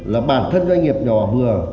là bản thân doanh nghiệp nhỏ và vừa